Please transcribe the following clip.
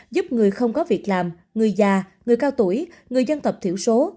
giúp người không có việc làm người già người cao tuổi người dân tộc thiểu số